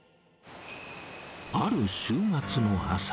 ある週末の朝。